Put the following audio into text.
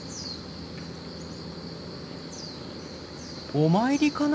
お参りかな？